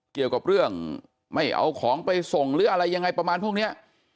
เกี่ยวกับเรื่องไม่เอาของไปส่งหรืออะไรยังไงประมาณพวกเนี้ย